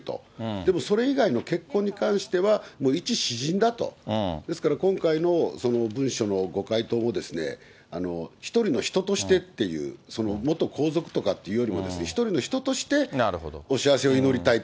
でもそれ以外の結婚に関しては、もう一私人だと、ですから、今回の文書のご回答を、一人の人として、その元皇族とかっていうよりも一人の人としてお幸せを祈りたいと。